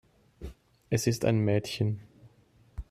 Es ist ein Mädchen.